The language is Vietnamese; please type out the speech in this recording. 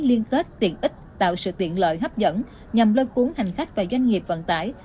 liên kết tiện ích tạo sự tiện lợi hấp dẫn nhằm lôi cuốn hành khách và doanh nghiệp vận tải